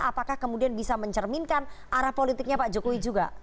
apakah kemudian bisa mencerminkan arah politiknya pak jokowi juga